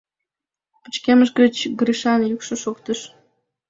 — пычкемыш гыч Гришан йӱкшӧ шоктыш.